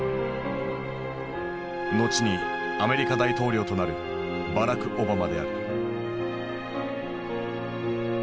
後にアメリカ大統領となるバラク・オバマである。